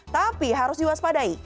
tapi harus diwaspadai